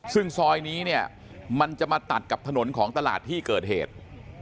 ซึ่งซอยนี้เนี่ยมันจะมาตัดกับถนนของตลาดที่เกิดเหตุ